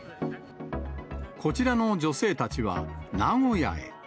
こちらの女性たちは名古屋へ。